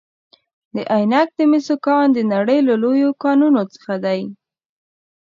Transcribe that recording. د عینک د مسو کان د نړۍ له لویو کانونو څخه دی.